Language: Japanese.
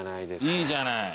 いいじゃない。